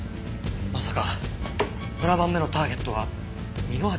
まさか７番目のターゲットは箕輪自身？